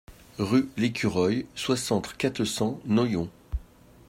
Rue l'Écureuil, soixante, quatre cents Noyon